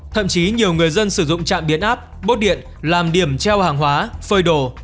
thậm chí nhiều người dân sử dụng chạm biến áp bốt điện làm điểm treo hàng hóa phơi đổ